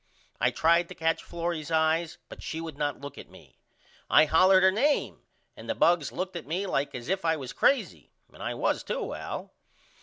I tried to catch Florrie's eyes but she would not look at me. I hollered her name and the bugs looked at me like as if I was crazy and I was to Al.